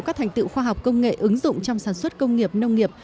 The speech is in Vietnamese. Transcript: các thành tựu khoa học công nghệ ứng dụng trong sản xuất công nghiệp nông nghiệp